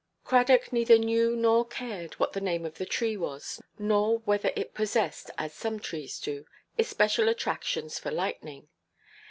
Cradock neither knew, nor cared, what the name of the tree was, nor whether it possessed, as some trees do, especial attractions for lightning.